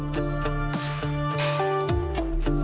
kalau saya simpen